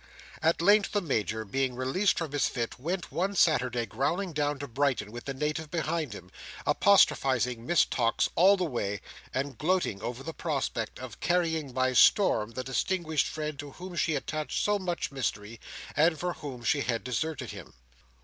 At length the Major being released from his fit, went one Saturday growling down to Brighton, with the native behind him; apostrophizing Miss Tox all the way, and gloating over the prospect of carrying by storm the distinguished friend to whom she attached so much mystery, and for whom she had deserted him.